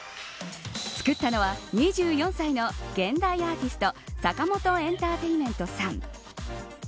作ったのは２４歳の現代アーティスト坂本エンターテイメントさん。